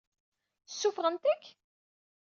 Ssuffɣent-k?